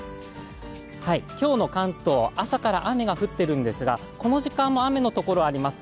今日の関東、朝から雨が降っているんですが、この時間も雨のところがあります。